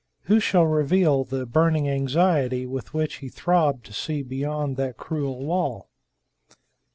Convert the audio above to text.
Who shall reveal the burning anxiety with which he throbbed to see beyond that cruel wall?